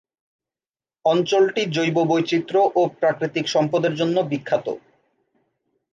অঞ্চলটি জৈব বৈচিত্র ও প্রাকৃতিক সম্পদের জন্য বিখ্যাত।